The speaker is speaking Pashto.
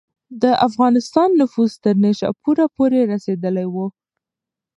د افغانستان نفوذ تر نیشاپوره پورې رسېدلی و.